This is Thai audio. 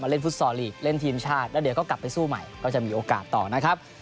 เล่นฟุตซอลลีกเล่นทีมชาติแล้วเดี๋ยวก็กลับไปสู้ใหม่ก็จะมีโอกาสต่อนะครับ